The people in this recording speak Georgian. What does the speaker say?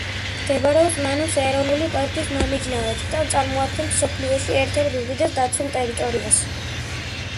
მდებარეობს მანუს ეროვნული პარკის მომიჯნავედ და წარმოადგენს მსოფლიოში ერთ-ერთ უდიდეს დაცულ ტერიტორიას.